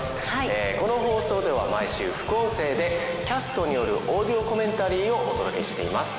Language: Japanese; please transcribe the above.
ええこの放送では毎週副音声でキャストによるオーディオコメンタリーをお届けしています。